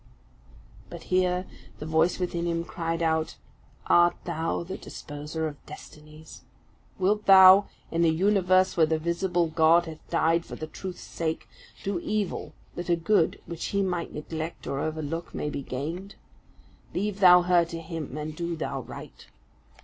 But here the voice within him cried out, "Art thou the disposer of destinies? Wilt thou, in a universe where the visible God hath died for the Truth's sake, do evil that a good, which He might neglect or overlook, may be gained? Leave thou her to Him, and do thou right."